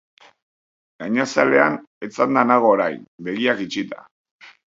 Gainazalean etzanda nago orain, begiak itxita.